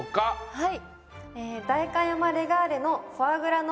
はい。